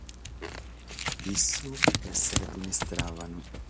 Issu esseret un’istràvanu.